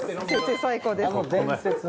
最高です。